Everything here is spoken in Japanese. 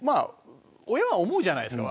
親は思うじゃないですか。